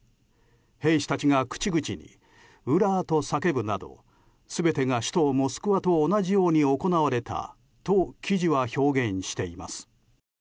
兵士たちが口々にウラーと叫ぶなど全てが首都モスクワと同じように行われたと記事は表現しています。